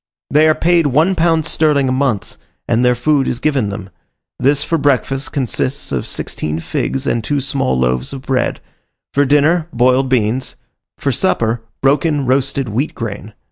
They are paid one pound sterling a month, and their food is given them: this for breakfast consists of sixteen figs and two small loaves of bread; for dinner, boiled beans; for supper, broken roasted wheat grain.